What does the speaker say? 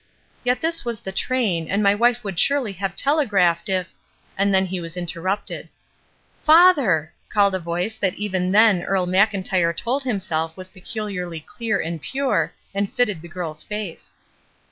Yet this was the train, and my wife would surely have telegraphed if—" and then he was inter rupted. ''Father !" called a voice that even then Earle Mclntyre told himself was peculiarly clear and pure, and fitted the girl's face.